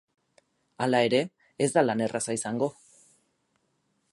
Hala ere, ez da lan erraza izango.